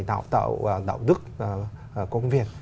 đạo tạo đạo đức công việc